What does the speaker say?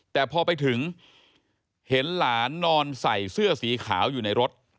แต่พอไปถึงเห็นหลานนอนใส่เสื้อสีขาวอยู่ในรถ